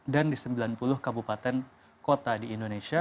dan di sembilan puluh kabupaten kota di indonesia